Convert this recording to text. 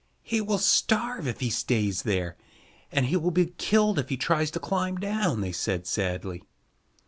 "He will starve if he stays there, and he will be killed if he tries to climb down," they said sadly.